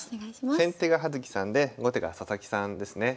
先手が葉月さんで後手が佐々木さんですね。